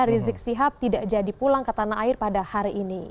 rizik sihab tidak jadi pulang ke tanah air pada hari ini